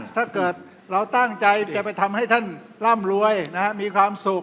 ถ้าเกิดเราตั้งใจจะไปทำให้ท่านร่ำรวยมีความสุข